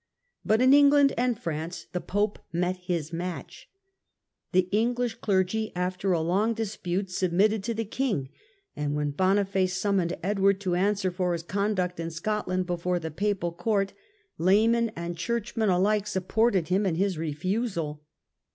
But in England and France the Pope met his match. The Enghsh clergy, after a long dispute, submitted to the King, and when Boniface summoned Edward to answer for his conduct in Scot land before the Papal Court, laymen and churchmen 42 THE END OF THE MIDDLE AGE Death of Boniface, 1303 alike supported him in his refusal.